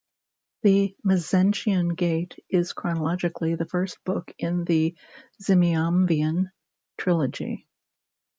"The Mezentian Gate" is chronologically the first book in the Zimiamvian Trilogy.